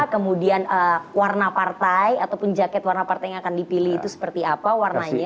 kemudian warna partai ataupun jaket warna partai yang akan dipilih itu seperti apa warnanya